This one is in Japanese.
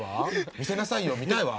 見せなさいよ見たいわ。